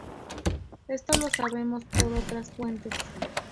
Esto lo sabemos por otras fuentes.